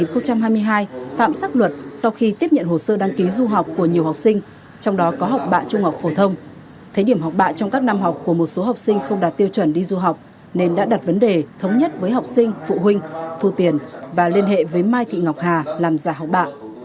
năm hai nghìn hai mươi hai phạm sắc luật sau khi tiếp nhận hồ sơ đăng ký du học của nhiều học sinh trong đó có học bạ trung học phổ thông thấy điểm học bạ trong các năm học của một số học sinh không đạt tiêu chuẩn đi du học nên đã đặt vấn đề thống nhất với học sinh phụ huynh thu tiền và liên hệ với mai thị ngọc hà làm giả học bạ